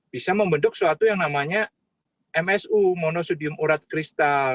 bisa membentuk suatu yang namanya msu monosudium urat kristal